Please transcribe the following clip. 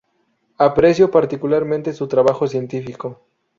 Aprecio particularmente su trabajo científico"".